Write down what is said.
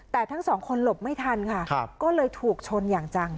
แต่ทั้งสองคนหลบไม่ทันค่ะก็เลยถูกชนอย่างจัง